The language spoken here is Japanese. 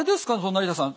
成田さん。